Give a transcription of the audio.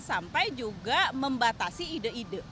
sampai juga membatasi ide ide